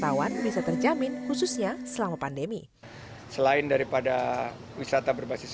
tawan bisa terjamin khususnya selama pandemi selain daripada wisata berbasis